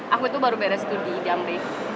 aku itu baru beres studi dam break